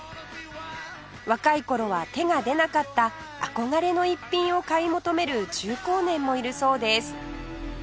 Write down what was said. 若い頃は手が出なかった憧れの逸品を買い求める中高年もいるそうです